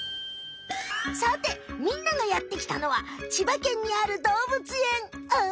さてみんながやってきたのは千葉県にあるどうぶつえん。